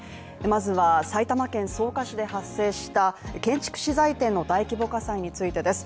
まずは埼玉県草加市で発生した建築資材店の大規模火災についてです